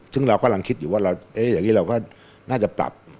ซึ่งเรากำลังคิดอยู่ว่าอย่างนี้เราก็น่าจะปรับ